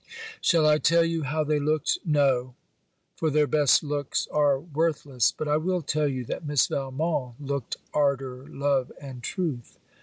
Shall I tell you how they looked? No! for their best looks are worthless! But I will tell you that Miss Valmont looked ardor love and truth.